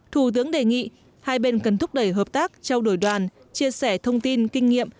thủ tướng đề nghị hai bên cần thúc đẩy hợp tác trao đổi đoàn chia sẻ thông tin kinh nghiệm